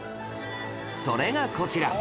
それがこちら！